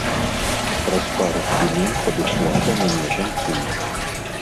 Праз пару хвілін падышла да мяне жанчына.